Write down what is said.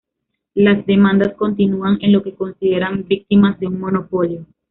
Las demandas continúan en lo que consideran víctimas de un monopolio.